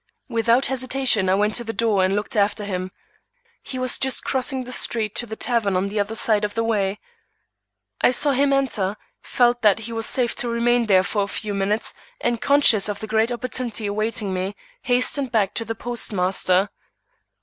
Without hesitation I went to the door and looked after him. He was just crossing the street to the tavern on the other side of the way. I saw him enter, felt that he was safe to remain there for a few minutes, and conscious of the great opportunity awaiting me, hastened back to the postmaster.